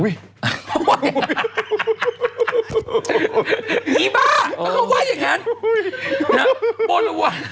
อี้บ้าแล้วเขาไว้อย่างงี้นั้น